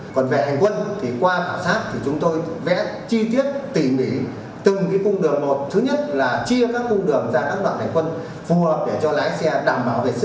còn về hành quân thì qua khảo sát thì chúng tôi vẽ chi tiết tỉ mỉ từng cái cung đường một thứ nhất là chia các cung đường ra các đoạn hành quân phù hợp để cho lái xe đảm bảo về sức khỏe